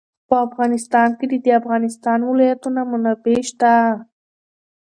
په افغانستان کې د د افغانستان ولايتونه منابع شته.